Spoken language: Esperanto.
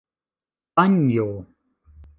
panjo